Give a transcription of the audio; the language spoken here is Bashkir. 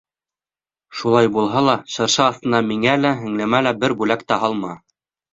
Шулай булһа ла шыршы аҫтына миңә лә, һеңлемә лә бер бүләк тә һалма!